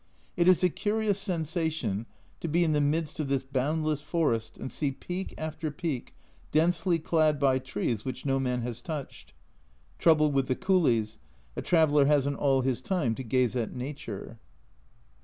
It is a curious sensation to be in the midst of this boundless forest and see peak after peak densely clad by trees which no man has touched. Trouble with the coolies a traveller hasn't all his time to gaze at Nature.